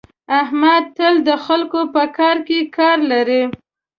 احمد تل د خلکو په کار کې کار لري.